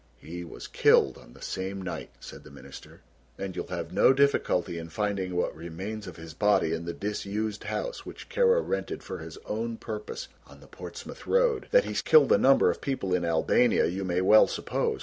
"He was killed on the same night," said the Minister, "and you will have no difficulty in finding what remains of his body in the disused house which Kara rented for his own purpose on the Portsmouth Road. That he has killed a number of people in Albania you may well suppose.